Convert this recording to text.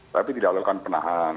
tapi tidak lakukan penahan